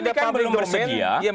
ini kan belum bersegi ya